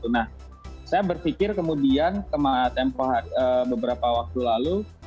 nah saya berpikir kemudian kemaat tempoh beberapa waktu lalu